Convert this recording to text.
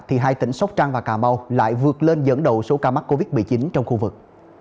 thì hai tỉnh sóc trăng và cà mau lại vượt lên dẫn đầu số ca mắc covid một mươi chín trong khu vực